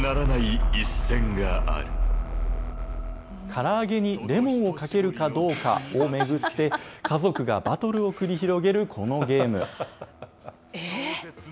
から揚げにレモンをかけるかどうかを巡って、家族がバトルを繰り広げるこのゲーム。